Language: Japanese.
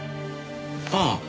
ああ。